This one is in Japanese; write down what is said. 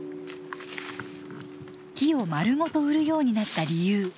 木をまるごと売るようになった理由